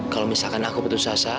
kalau misalkan aku putus asa